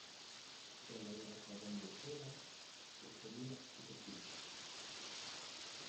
Se elabora jabón de cera, cestería y textiles.